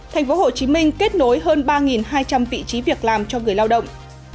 thành phố hồ chí minh kết nối hơn ba hai trăm linh vị trí việc làm cho người lao động